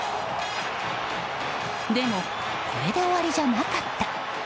でも、これで終わりじゃなかった。